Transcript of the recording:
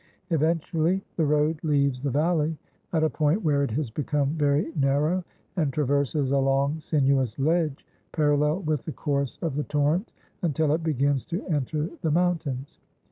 Eventually the road leaves the valley, at a point where it has become very narrow, and traverses a long sinuous ledge, parallel with the course of the torrent, until it begins to enter the mountains.